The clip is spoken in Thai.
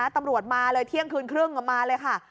ตำรวจมาเลยเที่ยงคืนครึ่งมาเลยค่ะ